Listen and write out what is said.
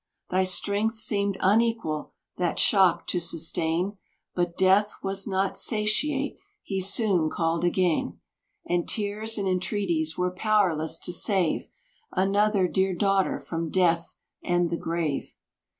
Thy strength seemed unequal that shock to sustain, But death was not satiate, he soon called again, And tears and entreaties were powerless to save Another dear daughter from death and the grave.